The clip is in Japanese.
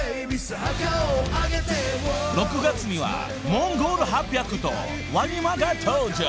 ［６月にはＭＯＮＧＯＬ８００とＷＡＮＩＭＡが登場］